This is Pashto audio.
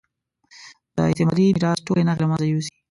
د استعماري میراث ټولې نښې له مېنځه یوسي.